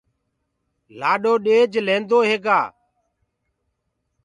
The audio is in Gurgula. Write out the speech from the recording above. لآڏو ڏيج لينٚدوئي هيگآ